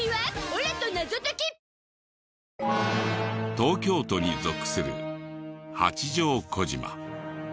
東京都に属する八丈小島。